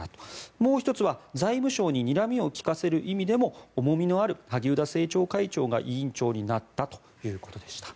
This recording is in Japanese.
もう１つは、財務省ににらみを利かせる意味でも重みのある萩生田政調会長が委員長になったということでした。